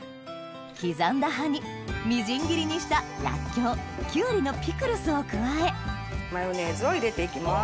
刻んだ葉にみじん切りにしたらっきょうきゅうりのピクルスを加えマヨネーズを入れていきます。